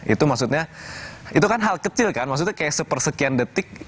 itu maksudnya itu kan hal kecil kan maksudnya kayak sepersekian detik